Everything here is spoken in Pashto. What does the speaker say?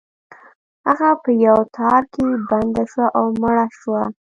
هغه په یو تار کې بنده شوه او مړه شوه.